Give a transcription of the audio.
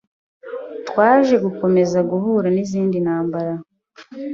Twaje gukomeza guhura n’izindi ntambara